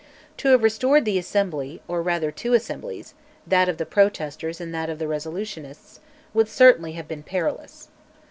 To have restored the Assembly, or rather two Assemblies that of the Protesters and that of the Resolutionists, would certainly have been perilous.